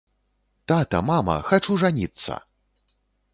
Тата, мама, хачу жаніцца!